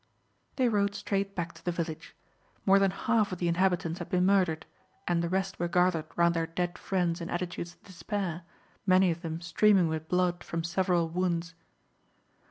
They rode straight back to the village. More than half of the inhabitants had been murdered, and the rest were gathered round their dead friends in attitudes of despair, many of them streaming with blood from several wounds.